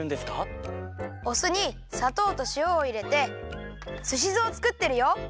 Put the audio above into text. おすにさとうとしおをいれてすしずをつくってるよ！